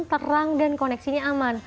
terang dan koneksinya aman